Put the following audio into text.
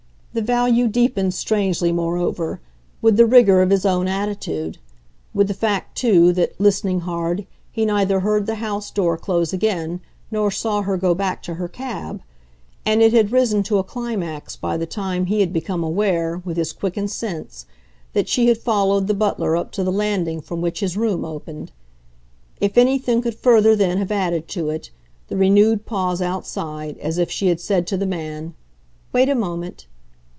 The value deepened strangely, moreover, with the rigour of his own attitude with the fact too that, listening hard, he neither heard the house door close again nor saw her go back to her cab; and it had risen to a climax by the time he had become aware, with his quickened sense, that she had followed the butler up to the landing from which his room opened. If anything could further then have added to it, the renewed pause outside, as if she had said to the man "Wait a moment!"